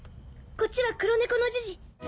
こっちは黒猫のジジ。